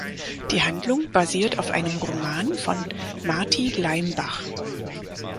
Die Handlung basiert auf einem Roman von "Marti Leimbach".